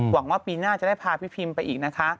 หวังว่าปีหน้าจะได้พาพี่พิมไปอีกนะคะ